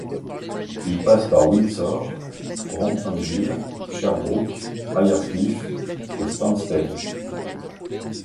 Il passe par Windsor, Bromptonville, Sherbrooke, Ayer's Cliff et Stanstead.